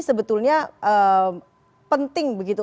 sebetulnya penting begitu